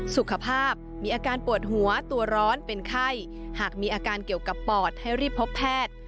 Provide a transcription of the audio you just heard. สุขภาพมีอาการปวดหัวตัวร้อนเป็นไข้หากมีอาการเกี่ยวกับปอดให้รีบพบแพทย์